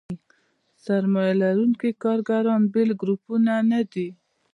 سرمایه لرونکي کارګران بېل ګروپونه نه دي.